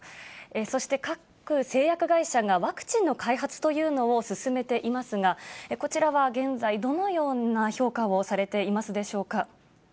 そして各製薬会社が、ワクチンの開発というのを進めていますが、こちらは現在、どのような評価をされていますでしょうか。